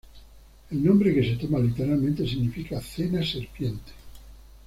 El nombre que se toma literalmente significa "cena serpiente".